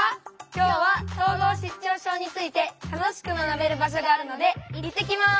今日は統合失調症について楽しく学べる場所があるのでいってきます。